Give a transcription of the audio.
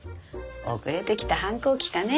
遅れてきた反抗期かね？